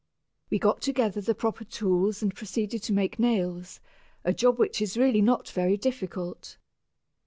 We got together the proper tools and proceeded to make nails, a job which is really not very difficult.